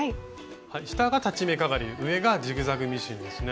下が裁ち目かがり上がジグザグミシンですね。